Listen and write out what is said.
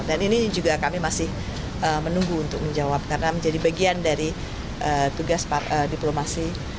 dan ini juga kami masih menunggu untuk menjawab karena menjadi bagian dari tugas diplomasi